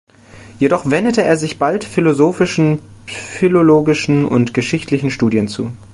Jedoch wendete er sich bald philosophischen, philologischen und geschichtlichen Studien zu.